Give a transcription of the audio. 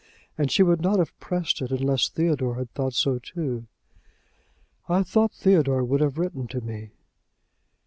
And she would not have pressed it, unless Theodore had thought so too!" "I thought Theodore would have written to me!"